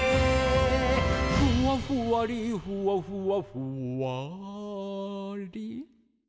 「ふわふわりふわふわふわり」